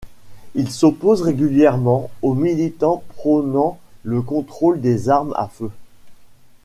Il s'oppose régulièrement aux militants prônant le contrôle des armes à feu.